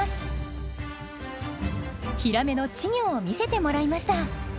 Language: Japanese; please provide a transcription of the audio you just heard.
ヒラメの稚魚を見せてもらいました。